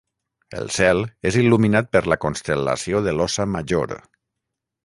El cel és il·luminat per la constel·lació de l'Óssa Major.